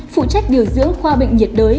phụ trách điều dưỡng khoa bệnh nhiệt đới